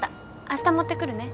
明日持って来るね。